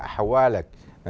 ah hoa lạch